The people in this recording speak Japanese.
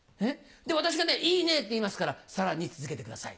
私がね「いいね」って言いますからさらに続けてください。